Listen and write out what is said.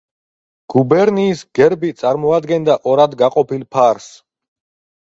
გუბერნიის გერბი წარმოადგენდა ორად გაყოფილ ფარს.